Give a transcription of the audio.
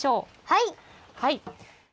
はい。